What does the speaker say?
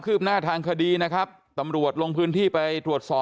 คือที่ร้านเนี่ยร้านข้าวต้มกระสุนเนี่ยโอโห